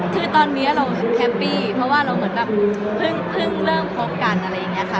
คือตอนนี้เราแฮปปี้เพราะว่าเราเหมือนแบบเพิ่งเริ่มคบกันอะไรอย่างนี้ค่ะ